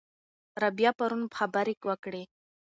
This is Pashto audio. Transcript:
رابعه پرون خبرې وکړې.